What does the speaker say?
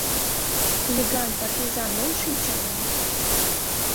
Хулиган партизан мом шинча, маныт...